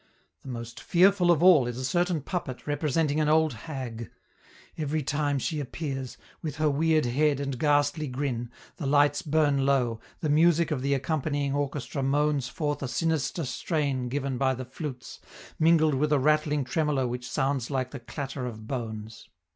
The most fearful of all is a certain puppet representing an old hag; every time she appears, with her weird head and ghastly grin, the lights burn low, the music of the accompanying orchestra moans forth a sinister strain given by the flutes, mingled with a rattling tremolo which sounds like the clatter of bones.